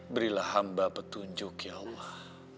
berilah hamba petunjuk ya allah